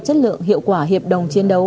chất lượng hiệu quả hiệp đồng chiến đấu